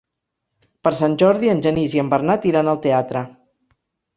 Per Sant Jordi en Genís i en Bernat iran al teatre.